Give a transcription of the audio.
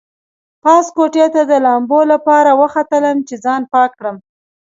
پاس کوټې ته د لامبو لپاره وختلم چې ځان پاک کړم.